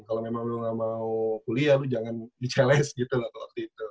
kalau memang lo gak mau kuliah lo jangan di cls gitu waktu itu